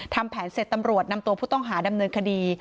ทำแผนเสร็จตำรวจนำตัวผู้ต้องหาดำเนินคดี